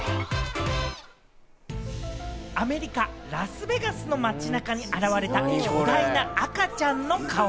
アメリカ・ラスベガスの街中に現れた巨大な赤ちゃんの顔。